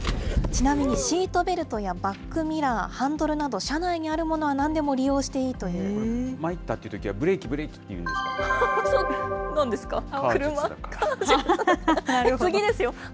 ちなみにシートベルトやバックミラー、ハンドルなど、車内にあるものはなんでも利用していいといまいったっていうときはブレそうなんですか？